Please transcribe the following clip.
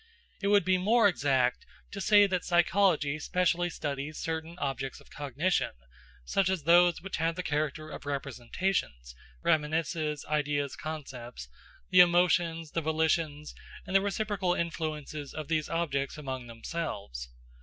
It would be more exact to say that psychology specially studies certain objects of cognition, such as those which have the character of representations (reminiscences, ideas, concepts), the emotions, the volitions, and the reciprocal influences of these objects among themselves.